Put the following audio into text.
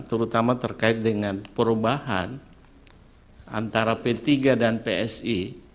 terutama terkait dengan perubahan antara p tiga dan psi